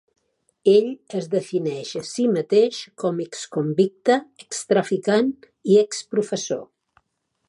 Ell es defineix a sí mateix com a "ex-convicte, ex-traficant i ex-professor".